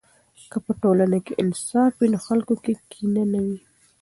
که په ټولنه کې انصاف وي، نو خلکو کې کینه نه وي.